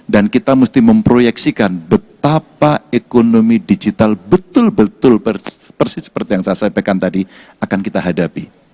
dan kita mesti memproyeksikan betapa ekonomi digital betul betul persis seperti yang saya sampaikan tadi akan kita hadapi